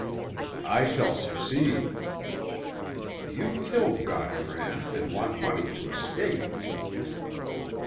"I shall succeed." "You killed Gautran, and want money to escape."